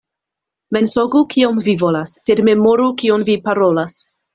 Mensogu kiom vi volas, sed memoru kion vi parolas.